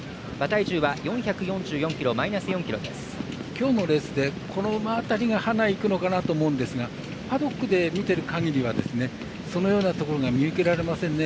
今日のレースでこの馬辺りがハナ、いくのかなと思うんですがパドックで見てるかぎりはそのようなところが見受けられませんね。